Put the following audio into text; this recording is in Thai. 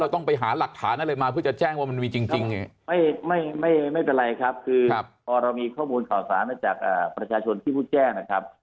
ต้องไปหาหลักฐานอะไรมาเพื่อจะแจ้งว่ามันมีจริงไม่เป็นไรครับคือพอเรามีข้อมูลข่าวสารมาจากประชาชนที่ผู้แจ้งนะครับ